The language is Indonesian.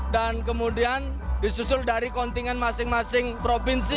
dan kemudian disusul dari kontingen masing masing provinsi